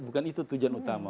bukan itu tujuan utama